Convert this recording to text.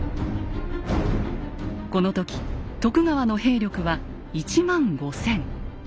この時徳川の兵力は１万５，０００。